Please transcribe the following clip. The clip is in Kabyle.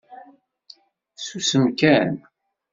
Susem kan.